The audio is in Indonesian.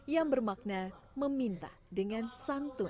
yang bermakna meminta dengan santun